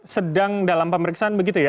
sedang dalam pemeriksaan begitu ya